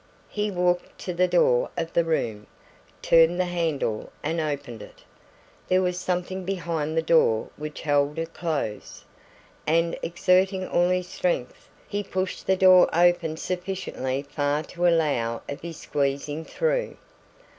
He walked to the door of the room, turned the handle and opened it. There was something behind the door which held it close, and exerting all his strength he pushed the door open sufficiently far to allow of his squeezing through.